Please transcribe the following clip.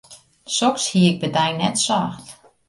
Soks hie ik by dy net socht.